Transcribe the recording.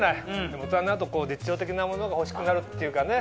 でも大人になると実用的なものが欲しくなるっていうかね